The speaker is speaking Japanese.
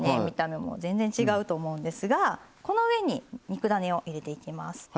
見た目も全然違うと思うんですがこの上に肉だねを入れていきます。